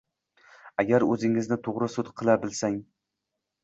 Agar o‘zingni to‘g‘ri sud qila bilsang